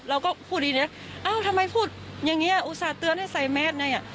เราก็พูดดีนะเอ้าทำไมพูดอย่างนี้อุตส่าห์เตือนให้ใส่แมสเลยอ่ะ